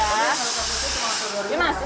oke selalu berhenti selalu berhenti